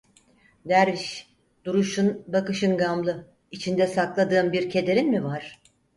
Derviş, duruşun, bakışın gamlı; içinde sakladığın bir kederin mi var?